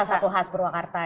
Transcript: salah satu khas purwakarta